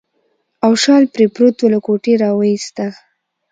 او شال پرې پروت و، له کوټې راوایسته.